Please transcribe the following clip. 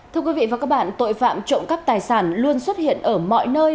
thưa quý vị và các bạn tội phạm trộm cắp tài sản luôn xuất hiện ở mọi nơi